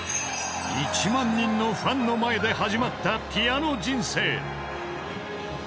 ［１万人のファンの前で始まったピアノ人生］